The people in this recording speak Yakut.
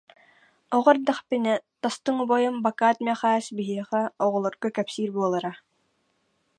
Оҕо эрдэхпинэ, тастыҥ убайым Бакат Мэхээс биһиэхэ, оҕолорго кэпсиир буолара: